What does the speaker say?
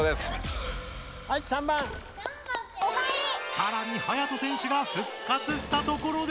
さらにはやと選手が復活したところで。